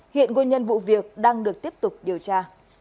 hiện nguyên nhân vụ việc đang được tiếp tục điều tra